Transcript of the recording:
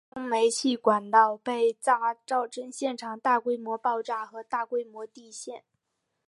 最终煤气管道被炸造成现场大规模爆炸和大规模地陷。